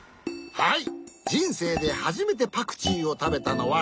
はい。